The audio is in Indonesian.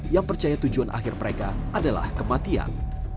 yang percaya tujuan akhir mereka adalah kematian